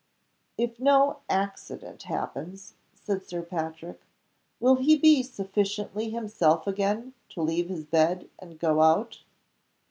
"If no accident happens," said Sir Patrick, "will he be sufficiently himself again to leave his bed and go out?"